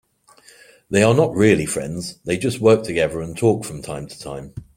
They are not really friends, they just work together and talk from time to time.